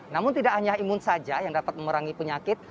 namun tidak hanya imun saja yang dapat memerangi penyakit